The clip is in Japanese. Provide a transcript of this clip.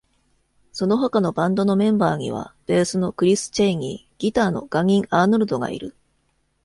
その他のバンドのメンバーには、ベースのクリス・チェイニー、ギターのガニン・アーノルドがいる。